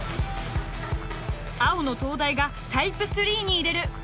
青の東大がタイプ３に入れる。